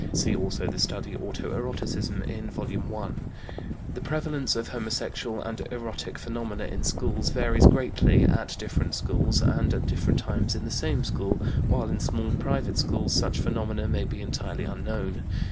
(See also the study "Auto erotism" in vol. i.) The prevalence of homosexual and erotic phenomena in schools varies greatly at different schools and at different times in the same school, while in small private schools such phenomena may be entirely unknown.